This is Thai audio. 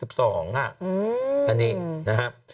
อืมอันนี้นะฮะ